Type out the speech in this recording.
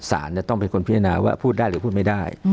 สารต้องเป็นคนพิจารณาว่าพูดได้หรือพูดไม่ได้